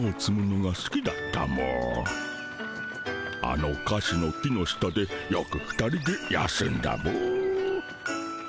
あのかしの木の下でよく２人で休んだモ。